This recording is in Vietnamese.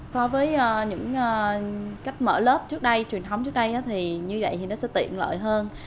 so với những cách mở lớp trước đây truyền thống trước đây thì như vậy thì nó sẽ tiện lợi hơn